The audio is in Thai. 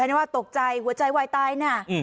ฮะนี่ว่าตกใจหัวใจวายตายน่ะอืม